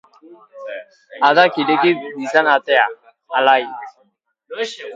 ADAk ireki zidan atea, alai.